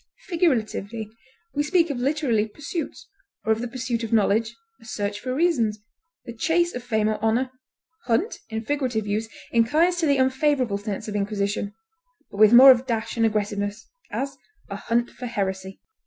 Figuratively, we speak of literary pursuits, or of the pursuit of knowledge; a search for reasons; the chase of fame or honor; hunt, in figurative use, inclines to the unfavorable sense of inquisition, but with more of dash and aggressiveness; as, a hunt for heresy.